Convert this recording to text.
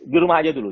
di rumah aja dulu